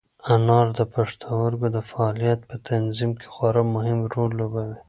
انار د پښتورګو د فعالیت په تنظیم کې خورا مهم رول لوبوي.